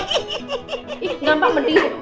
ih gampang mendingan